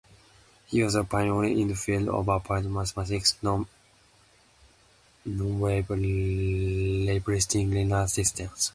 He was a pioneer in the field of applied mathematics: non-wave replicating linear systems.